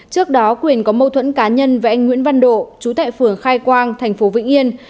trước đó quyền có mâu thuẫn cá nhân với anh nguyễn văn độ chú tại phường khai quang thành phố vĩnh yên